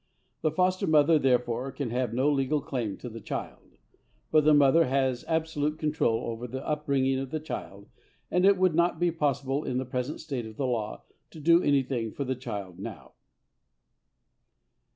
The foster mother, therefore, can have no legal claim to the child. But the mother has absolute control over the bringing up of the child, and it would not be possible in the present state of the law to do anything for the child now."